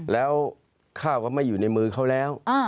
แล้วข้าวก็ไม่อยู่ในมือเขาแล้ว